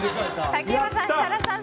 竹山さん、設楽さん